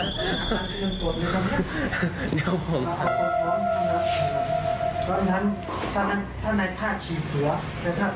ตอนนี้ก็ตรงกดดูก่อนแล้วครับ